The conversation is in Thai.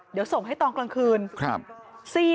เดี๋ยวส่งให้ตอนกลางคืนครับครับ